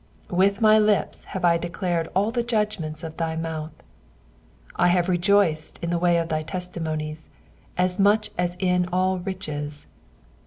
13 With my lips have I declared all the judgments of thy mouth. 14 I have rejoiced in the way of thy testimonies, as much as in all riches.